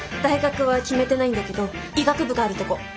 大学は決めてないんだけど医学部があるとこ。